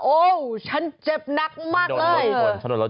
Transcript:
ฉันเจ็บหนักมากเลย